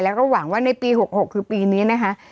แล้วก็หวังว่าในปี๖๖คือปีนี้นะคะ